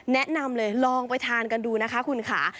แนะนำเลยลองไปทานกันดูนะคะคุณค่ะ